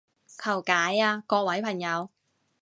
求解啊各位朋友